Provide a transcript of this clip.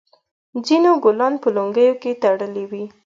ځینو ګلان په لونګیو کې تړلي وي.